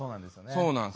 そうなんですよ。